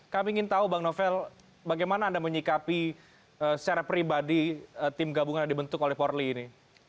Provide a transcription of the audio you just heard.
kami ingin tahu bang novel bagaimana anda menyikapi secara pribadi tim gabungan yang dibentuk oleh polri ini